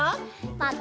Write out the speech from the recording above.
また。